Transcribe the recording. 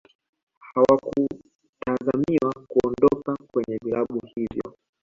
hawakutazamiwa kuondoka kwenye vilabu hivyo